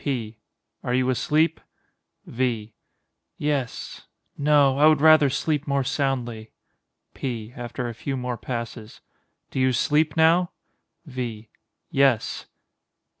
P. Are you asleep? V. Yes—no; I would rather sleep more soundly. P. [After a few more passes.] Do you sleep now? V. Yes.